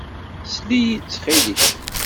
Sel-iyi-d, ttxil-k.